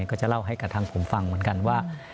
ก็จะเล่าให้กับทางผมฟังเหมือนกันว่า